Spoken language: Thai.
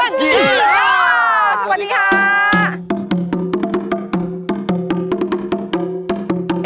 สวัสดีค่ะ